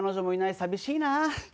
寂しいな。